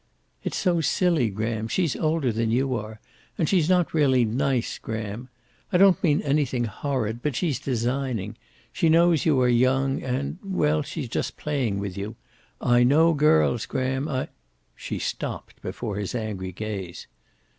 "It's so silly, Graham. She's older than you are. And she's not really nice, Graham. I don't mean anything horrid, but she's designing. She knows you are young and well, she's just playing with you. I know girls, Graham. I " She stopped, before his angry gaze.